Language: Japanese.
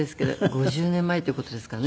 ５０年前っていう事ですからね。